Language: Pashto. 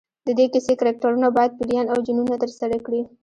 د دې کیسې کرکټرونه باید پیریان او جنونه ترسره کړي.